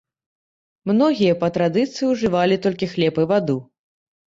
Многія па традыцыі ўжывалі толькі хлеб і ваду.